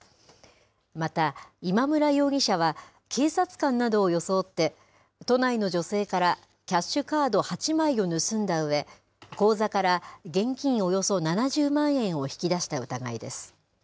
また、今村容疑者は、警察官などを装って、都内の女性からキャッシュカード８枚を盗んだうえ、口座から現金およそ７０万円を引き出した疑いです。